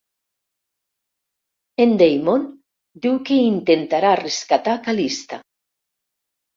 En Damon diu que intentarà rescatar Callista.